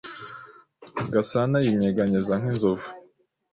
Gasana yinyeganyeza nk'inzovu.